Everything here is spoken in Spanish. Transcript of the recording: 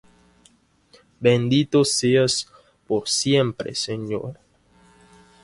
Bendito seas por siempre, Señor.